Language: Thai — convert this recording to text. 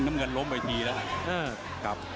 นำกันล้มไว้ทีละครับ